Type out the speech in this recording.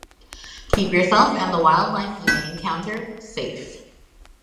Keep yourself, and the wildlife you may encounter, safe.